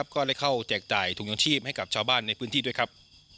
ก็ได้เข้าแจกจ่ายถุงยังชีพให้กับชาวบ้านในพื้นที่ด้วยครับ